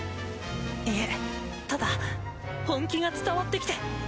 いえただ本気が伝わってきて。